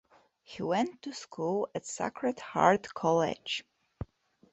He went to school at Sacred Heart College.